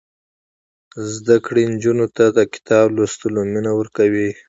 زده کړه نجونو ته د کتاب لوستلو مینه ورکوي.